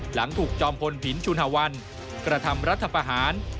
หลังถูกจอมพลผินชุนฮวันกระทำรัฐประหาร